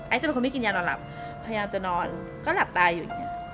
จะเป็นคนไม่กินยานอนหลับพยายามจะนอนก็หลับตาอยู่อย่างนี้